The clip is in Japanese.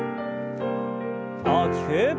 大きく。